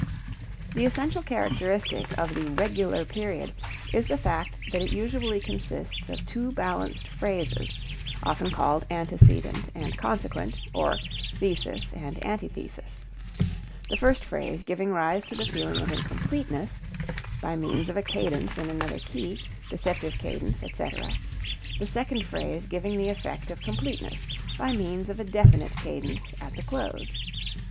The essential characteristic of the regular period is the fact that it usually consists of two balanced phrases (often called antecedent and consequent or thesis and antithesis), the first phrase giving rise to the feeling of incompleteness (by means of a cadence in another key, deceptive cadence, etc.,) the second phrase giving the effect of completeness by means of a definite cadence at the close.